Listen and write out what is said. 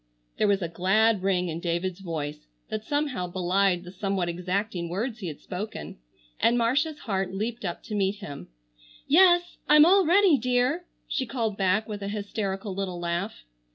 There was a glad ring in David's voice that somehow belied the somewhat exacting words he had spoken, and Marcia's heart leaped up to meet him. "Yes, I'm all ready, dear!" she called back with a hysterical little laugh.